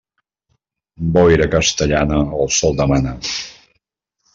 Boira castellana, el sol demana.